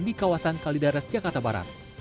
di kawasan kalidaras jakarta barat